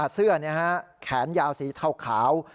เสื้อแขนยาวสีเทาขาว